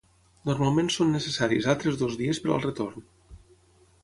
Normalment són necessaris altres dos dies per al retorn.